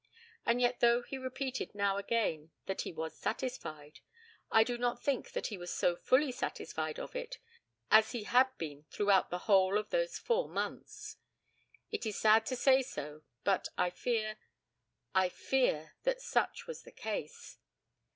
And yet though he repeated now again that he was satisfied, I do not think that he was so fully satisfied of it as he had been throughout the whole of those four months. It is sad to say so, but I fear I fear that such was the case.